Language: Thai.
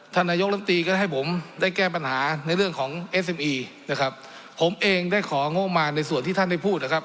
นายกลำตีก็ได้ให้ผมได้แก้ปัญหาในเรื่องของเอสเอ็มอีนะครับผมเองได้ของงบมาในส่วนที่ท่านได้พูดนะครับ